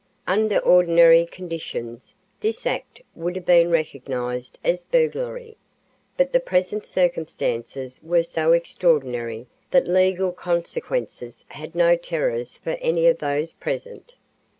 Under ordinary conditions, this act would have been recognized as burglary, but the present circumstances were so extraordinary that legal consequences had no terrors for any of those present.